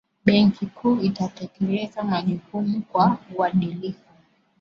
benki kuu inatekeleza majukumu kwa uadilifu